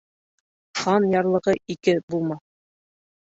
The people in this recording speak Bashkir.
Хан ярлығы ике булмаҫ.